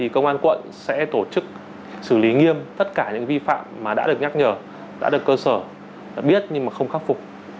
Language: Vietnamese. cơ sở đã được nhắc nhở đã được cơ sở biết nhưng mà không khắc phục